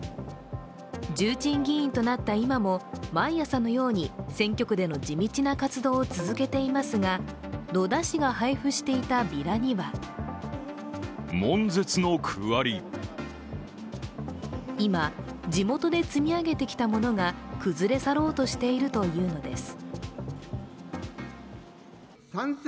重鎮議員となった今も毎朝のように選挙区での地道な活動を続けていますが、野田氏が配布していたビラには今、地元で積み上げてきたものが崩れ去ろうとしているというのです。